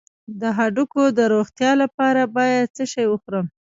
د هډوکو د روغتیا لپاره باید څه شی وخورم؟